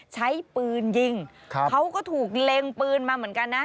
ใช้ปืนยิงเขาก็ถูกเล็งปืนมาเหมือนกันนะ